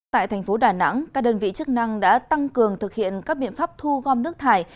tại thành phố đà nẵng các đơn vị chức năng đã tăng cường thực hiện các biện pháp thu gom nước thải